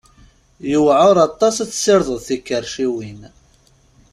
Yewɛer aṭas ad tessirdeḍ tikerciwin.